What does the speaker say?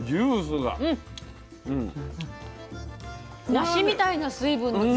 梨みたいな水分の量。